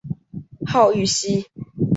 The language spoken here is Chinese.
号玉溪。